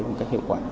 bằng cách hiệu quả